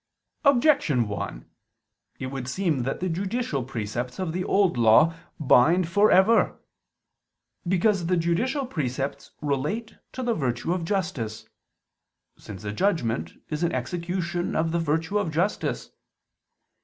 Objection 1: It would seem that the judicial precepts of the Old Law bind for ever. Because the judicial precepts relate to the virtue of justice: since a judgment is an execution of the virtue of justice.